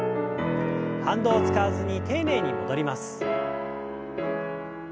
反動を使わずに丁寧に戻ります。